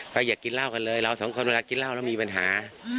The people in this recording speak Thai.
ก็อย่ากินเหล้ากันเลยเราสองคนเวลากินเหล้าแล้วมีปัญหา